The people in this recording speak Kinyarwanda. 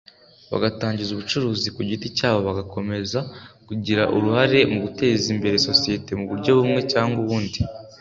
bagatangiza ubucuruzi ku giti cyabo bagakomeza kugira uruhare mu guteza imbere sosiyete mu buryo bumwe cyangwa ubundi